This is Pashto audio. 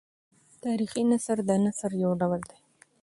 تاریخي نثر د نثر یو ډول دﺉ.